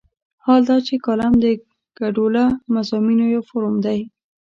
حال دا چې کالم د ګډوله مضامینو یو فورم دی.